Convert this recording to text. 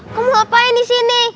kamu ngapain disini